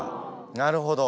なるほど。